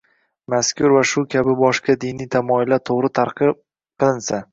Mazkur va shu kabi boshqa diniy tamoyillar to‘g‘ri targ‘ib qilinsa